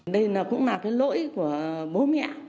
đây cũng là cái lỗi của bố mẹ